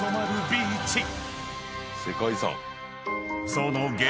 ［その激